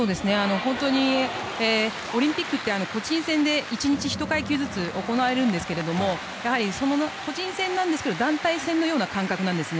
本当にオリンピックって個人戦で１日１階級ずつ行われるんですけれども個人戦なんですけど団体戦のような感覚なんですね。